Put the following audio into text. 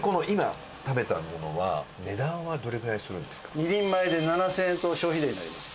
ちなみに２人前で７０００円と消費税になります。